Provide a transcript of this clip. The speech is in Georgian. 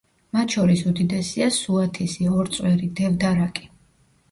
მათ შორის უდიდესია სუათისი, ორწვერი, დევდარაკი.